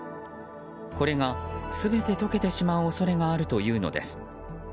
これが、全て解けてしまう恐れがあるというのです。